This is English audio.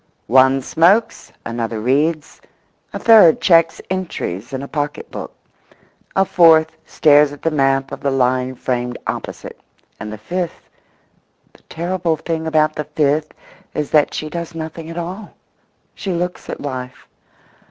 One smokes; another reads; a third checks entries in a pocket book; a fourth stares at the map of the line framed opposite; and the fifth—the terrible thing about the fifth is that she does nothing at all. She looks at life.